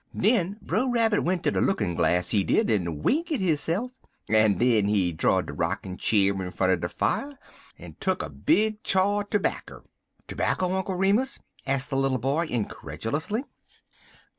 Den Brer Rabbit went ter de lookin' glass, he did, en wink at hisse'f, en den he draw'd de rockin' cheer in front er de fier, he did, en tuck a big chaw terbacker." "Tobacco, Uncle Remus?" asked the little boy, incredulously.